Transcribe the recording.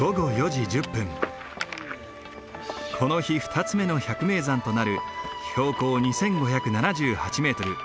この日２つ目の百名山となる標高２，５７８メートル